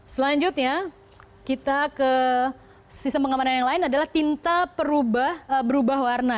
selanjutnya kita ke sistem pengamanan yang lain adalah tinta berubah warna